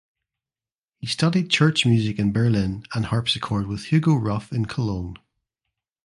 He studied church music in Berlin and harpsichord with Hugo Ruf in Cologne.